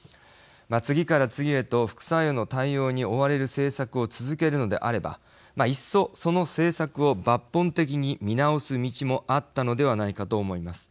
次から次へと副作用の対応に追われる政策を続けるのであればいっそ、その政策を抜本的に見直す道もあったのではないかと思います。